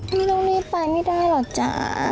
ไม่ต้องรีบไปไม่ได้หรอกจ้า